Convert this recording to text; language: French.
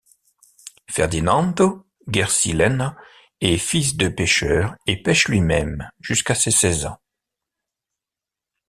Ferdinando Guercilena est fils de pêcheur et pêche lui-même jusqu'à ses seize ans.